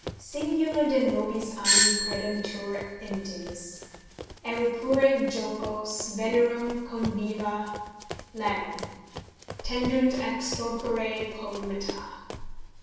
"Singula de nobis anni prædantur euntes; Eripuere jocos, venerem, convivia, ludum; Tendunt extorquere poëmata."